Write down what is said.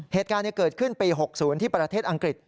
เหตุการณ์เกิดขึ้นปี๖๐ที่ประเทศอังกฤษ